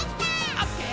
「オッケー！